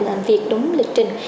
làm việc đúng lịch trình